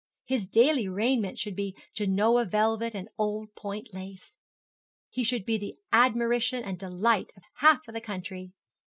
His daily raiment should be Genoa velvet and old point lace. He should be the admiration and delight of half the county.